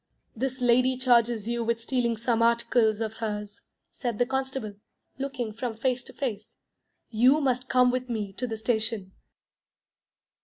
"This lady charges you with stealing some articles of hers," said the constable, looking from face to face. "You must come with me to the station."